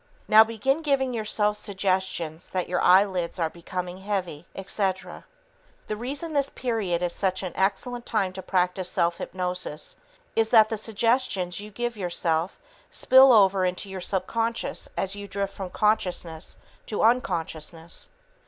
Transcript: Now begin giving yourself suggestions that your eyelids are becoming heavy, etc. The reason this period is such an excellent time to practice self hypnosis is that the suggestions you give yourself spill over into your subconscious as you drift from consciousness to unconsciousness.